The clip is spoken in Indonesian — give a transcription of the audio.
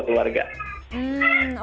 bagi saya dan di dunia